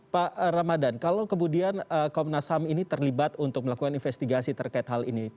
pak ramadhan kalau kemudian komnas ham ini terlibat untuk melakukan investigasi terkait hal ini